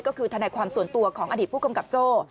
ก็คือทนายความส่วนตัวของอดีตผู้กำกับโจ้